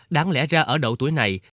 đáng lẽ ra ở độ tuổi này